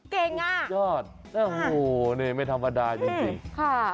เก่งนะโอ๊ยนี่ไม่ธรรพดายจริง